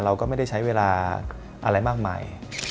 เราก็ไม่ได้ใช้เวลาอะไรมากมาย